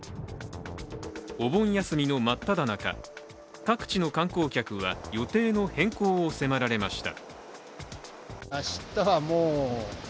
お盆休みの真っただ中、各地の観光客は予定の変更を迫られました。